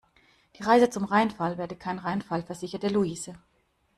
Die Reise zum Rheinfall werde kein Reinfall, versicherte Louise.